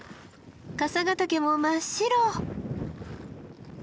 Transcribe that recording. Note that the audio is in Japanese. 笠ヶ岳も真っ白。